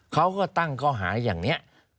เขาก็ตั้งข้อหาอย่างนี้